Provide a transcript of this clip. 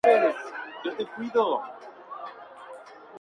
Todos los poemas adaptados para los temas con música de Joan Manuel Serrat.